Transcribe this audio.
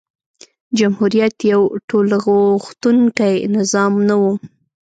جمهوریت یو ټولغوښتونکی نظام نه و.